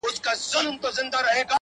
زه خو یارانو نامعلوم آدرس ته ودرېدم ـ